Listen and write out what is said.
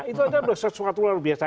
itu aja adalah sesuatu luar biasa